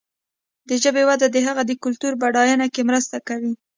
د ژبې وده د هغې د کلتوري بډاینه کې مرسته کوي.